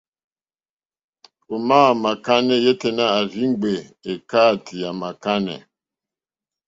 Òmá ò mà kánɛ́ yêténá à rzí ŋgbè èkáàtì à màkánɛ́.